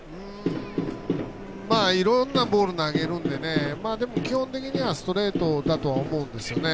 いろんなボール投げるんで基本的にはストレートだとは思うんですよね。